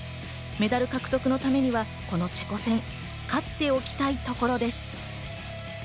メダル獲得のためにはこのチェコ戦、勝っておきたいところです。